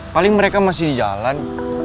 paling mereka masih di jalan